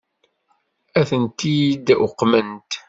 Ad tent-id-uqment?